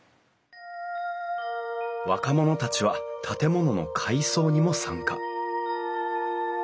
若者たちは建物の改装にも参加。